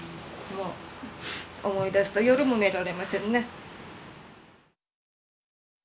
思い出すと夜も寝られませんね。